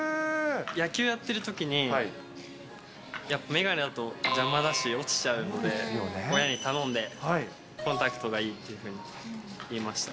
野球やってるときに、やっぱメガネだと邪魔だし、落ちちゃうので、親に頼んで、コンタクトがいいっていうふうに言いました。